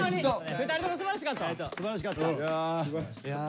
２人ともすばらしかったわ。